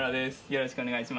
よろしくお願いします。